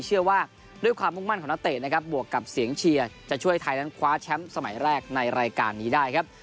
เชื่อว่าด้วยความมุ่งมั่นของนักเตะนะครับบวกกับเสียงเชียร์จะช่วยไทยนั้นคว้าแชมป์สมัยแรกในรายการนี้ได้ครับ